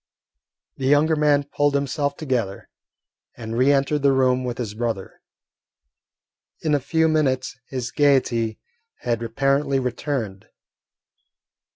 The younger man pulled himself together, and re entered the room with his brother. In a few minutes his gaiety had apparently returned.